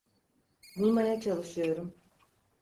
Bulmaya çalışıyorum.